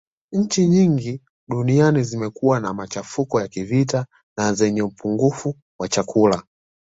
Nchi nyingi duniani zimekuwa na machafuko ya kivita na zenye upungufu wa chakula